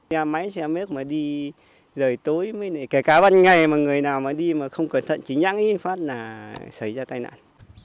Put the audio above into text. nhà máy xe mếp mà đi rời tối kẻ cá ban ngày mà người nào đi mà không cẩn thận chỉ nhắn ý phát là xảy ra tai nạn